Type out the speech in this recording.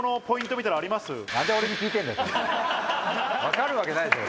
分かるわけないでしょ。